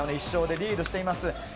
１勝でリードしています。